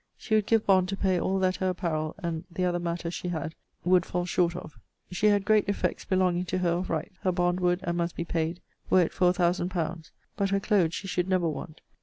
She would give bond to pay all that her apparel, and the other maters she had, would fall short of. She had great effects belonging to her of right. Her bond would, and must be paid, were it for a thousand pounds. But her clothes she should never want.